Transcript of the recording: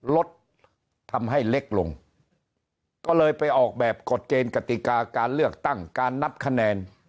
ลดทำให้เล็กลงก็เลยไปออกแบบกฎเกณฑ์กติกาการเลือกตั้งการนับคะแนน